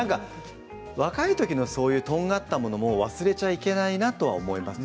若いときのとがったものも忘れてはいけないなと思います。